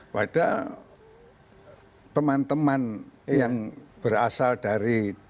padahal teman teman yang berasal dari daratan kita